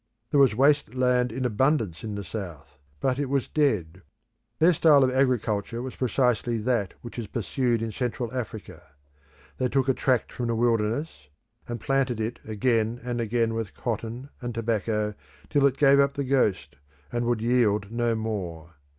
There was waste land in abundance in the South; but it was dead. Their style of agriculture was precisely that which is pursued in Central Africa. They took a tract from the wilderness and planted it again and again with cotton and tobacco till it gave up the ghost, and would yield no more.